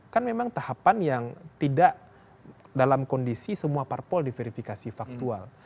kan memang tahapan yang tidak dalam kondisi semua parpol diverifikasi faktual